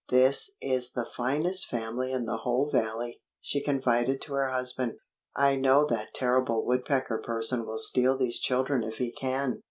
"This is the finest family in the whole valley," she confided to her husband. "I know that terrible Woodpecker person will steal these children if he can."